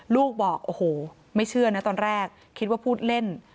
ลูกบอกโอ้โหไม่เชื่อนะตอนแรกคิดว่าพูดเล่น